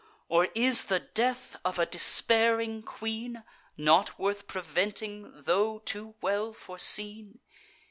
Or is the death of a despairing queen Not worth preventing, tho' too well foreseen?